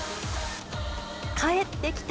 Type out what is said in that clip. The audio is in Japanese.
帰ってきた！